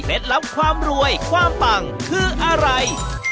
เม็ดรับความรวยความปั่งคืออะไร